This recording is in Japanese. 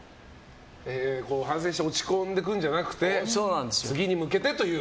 反省して落ち込んでいくんじゃなくて次に向けてという。